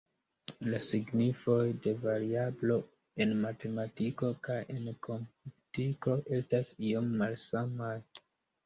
La signifoj de variablo en matematiko kaj en komputiko estas iom malsamaj.